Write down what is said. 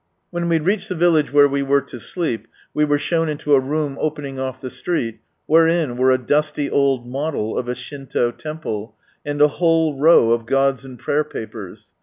When we reached the village where we were to sleep, we were shown into a room opening ofl' the street, wherein were a dusty old model of a Shinto temple, and a whole row of gods and prayer papers.